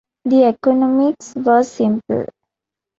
The economics were simple.